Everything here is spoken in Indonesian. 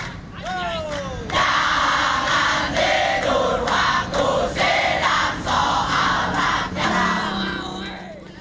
tangan tidur waktu sedang soal rakyat